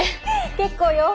結構よ。